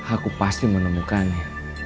aku pasti menemukannya